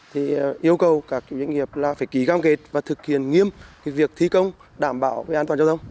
thì yêu cầu các chủ doanh nghiệp là phải ký cam kết và thực hiện nghiêm việc thi công đảm bảo an toàn cho thông